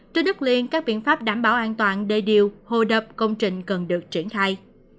trên đất liên các biện pháp đảm bảo an toàn đề điều hô đập công trình cần được triển khai